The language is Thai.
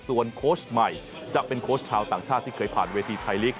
ส่วนโค้ชใหม่จะเป็นโค้ชชาวต่างชาติที่เคยผ่านเวทีไทยลีก